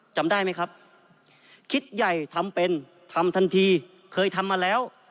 จำได้ไหมครับคิดใหญ่ทำเป็นทำทันทีเคยทำมาแล้ว